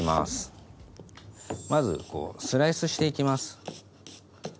まずこうスライスしていきます。